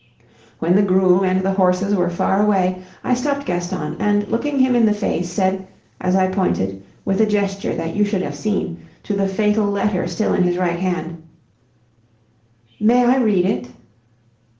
When the groom and the horses were far away, I stopped Gaston, and, looking him in the face, said, as I pointed, with a gesture that you should have seen, to the fatal letter still in his right hand: "May I read it?"